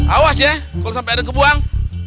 awas ya kalo sampai ada kebuang